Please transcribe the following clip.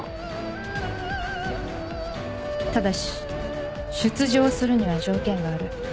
ただし出場するには条件がある。